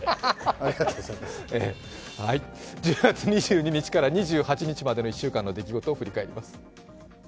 １０月２２日から２８日までの１週間の出来事を振り返ります。